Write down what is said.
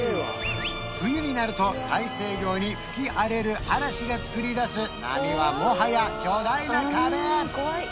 冬になると大西洋に吹き荒れる嵐がつくりだす波はもはや巨大な壁！